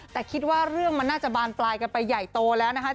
แต่คิดว่าเรื่องมันน่าจะบานปลายกันไปใหญ่โตแล้วนะคะ